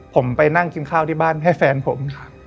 ผมไปนั่งกินข้าวที่บ้านให้แฟนผม